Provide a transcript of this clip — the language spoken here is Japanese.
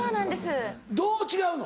どう違うの？